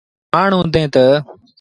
جڏهيݩٚ توٚنٚ جُوآڻ هُنٚدي تا